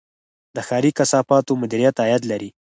د ښاري کثافاتو مدیریت عاید لري